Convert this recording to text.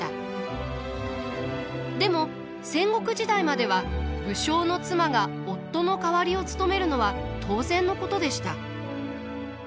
でも戦国時代までは武将の妻が夫の代わりを務めるのは当然のことでした。